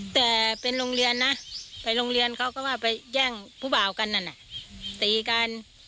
แต่เป็นโรงเรียนนะไปโรงเรียนเขาก็ว่าไปแย่งผู้บ่าวกันนั่นน่ะตีกัน